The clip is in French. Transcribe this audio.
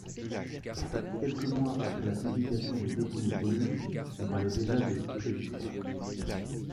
Quelques mois après la publication des deux premiers volumes, on parlait déjà de prévus.